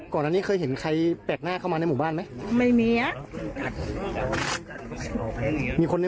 ก่อนอันนี้เคยเห็นใครแปลกหน้าเข้ามาในหมู่บ้านไหมไม่มีอ่ะ